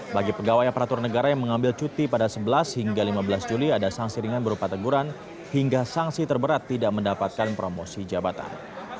bagi pegawai aparatur negara yang mengambil cuti pada sebelas hingga lima belas juli ada sanksi ringan berupa teguran hingga sanksi terberat tidak mendapatkan promosi jabatan